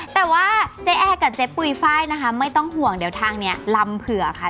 แต่ว่าเจ๊แอร์กับเจ๊ปุ๋ยไฟล์นะคะไม่ต้องห่วงเดี๋ยวทางนี้ลำเผื่อค่ะ